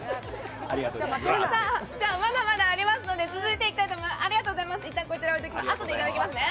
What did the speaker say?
まだまだありますので、続いていきたいと思います。